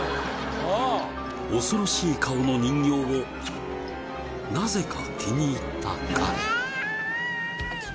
恐ろしい顔の人形をなぜか気に入った彼。